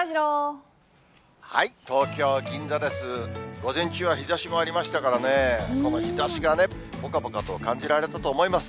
午前中は日ざしもありましたからね、この日ざしがね、ぽかぽかと感じられたと思います。